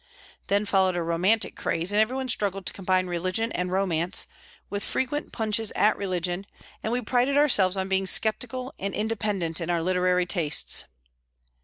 Then followed a romantic craze, and everyone struggled to combine religion and romance, with frequent punches at religion, and we prided ourselves on being sceptical and independent in our literary tastes.